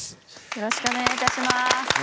よろしくお願いします。